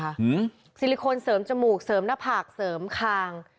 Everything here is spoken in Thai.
ซิลิโคนเสริมจมูกเสริมหน้าผากเสริมคาง